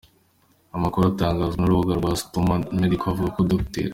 Amakuru atangazwa n’urubuga rwa stromamedical avuga ko Dr.